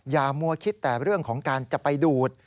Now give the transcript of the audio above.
อย่ามัวคิดแต่เรื่องของการจะไปดูด